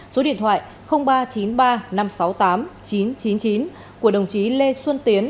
số điện thoại ba trăm chín mươi ba năm trăm sáu mươi tám chín trăm chín mươi chín của đồng chí lê xuân tiến